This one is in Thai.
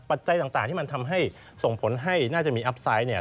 จัยต่างที่มันทำให้ส่งผลให้น่าจะมีอัพไซต์เนี่ย